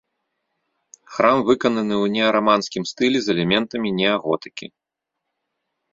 Храм выкананы ў неараманскім стылі з элементамі неаготыкі.